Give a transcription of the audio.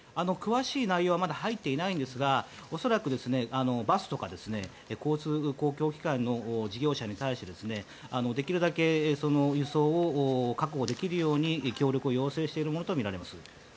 詳しい内容はまだ入っていませんが恐らくバスとか公共交通機関の事業者に対してできるだけ輸送を確保できるように協力を要請しているものとみられます。